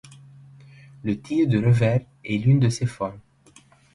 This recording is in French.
Le tir du revers est l'une de ses formes.